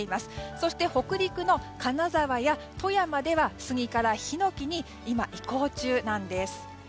そして北陸の金沢から富山ではヒノキに移行中なんです。